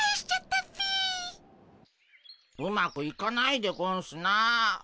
うまくいかないでゴンスな。